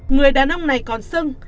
người đàn ông này còn sưng